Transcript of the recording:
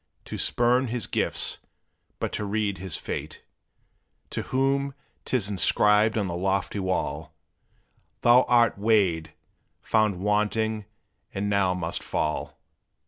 To spurn his gifts, but to read his fate; To whom 't is inscribed on the lofty wall, "Thou art weighed, found wanting, and now must fall!